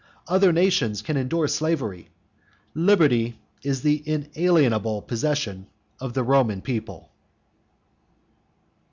Other nations can endure slavery. Liberty is the inalienable possession of the Roman people.